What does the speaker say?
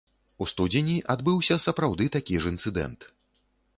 У студзені адбыўся сапраўды такі ж інцыдэнт.